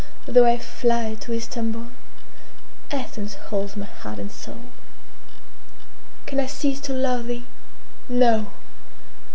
Though I fly to Istambol, Athens holds my heart and soul; Can I cease to love thee? No!